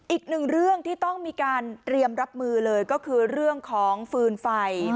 อีกหนึ่งเรื่องที่ต้องมีการเตรียมรับมือเลยก็คือเรื่องของฟืนไฟ